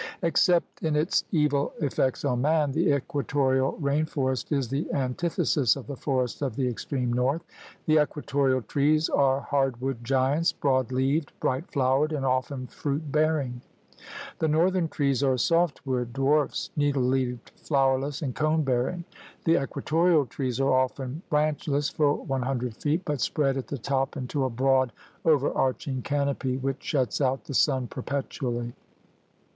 Except in its evil effects on man, the equatorial rain forest is the antithesis of the forests of the extreme north. The equatorial trees are hardwood giants, broad leaved, bright flowered, and often fruit bearing. The northern trees are softwood dwarfs, needle leaved, flowerless, and cone bearing. The equatorial trees are often branchless for one hundred feet, but spread at the top into a broad overarching canopy which shuts out the sun perpetually.